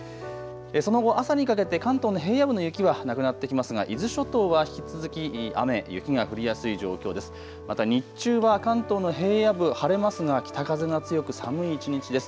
その後、朝にかけて関東の平野部の雪はなくなってきますが伊豆諸島は引き続き雨、雪が降りやすい状況です。